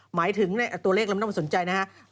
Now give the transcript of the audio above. หมายถึงตัวเลขเราไม่ต้องสนใจนะฮะ